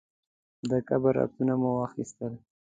د قبر عکسونه مې واخیستل.